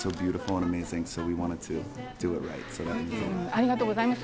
ありがとうございます。